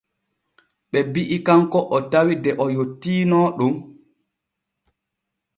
Ɓe bi’i kanko o tawi de o yottiino ɗon.